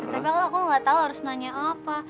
tapi aku gak tau harus nanya apa